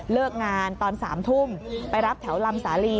เลิกงานตอน๓ทุ่มไปรับแถวลำสาลี